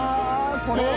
これ？